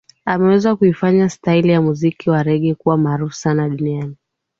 Ameweza kuifanya staili ya muziki wa Rege kuwa maarufu sana duniani